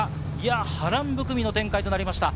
波乱含みの展開となりました。